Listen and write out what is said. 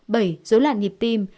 bảy dấu loạn nhịp tim